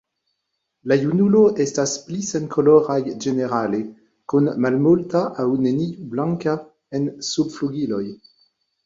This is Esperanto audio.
La junulo estas pli senkoloraj ĝenerale, kun malmulta aŭ neniu blanka en subflugiloj.